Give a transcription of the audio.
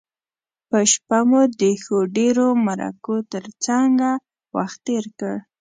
په شپه مو د ښو ډیرو مرکو تر څنګه وخت تیر کړ.